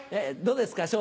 どうですか？